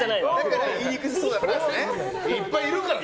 いっぱいいるから。